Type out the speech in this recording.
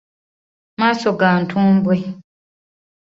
Maaso ga ntumbwe.